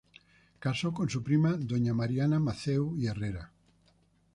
Casó con su prima Doña Mariana Matheu y Herrera.